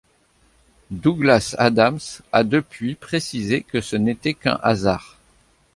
Douglas Adams a depuis précisé que ce n'était qu'un hasard.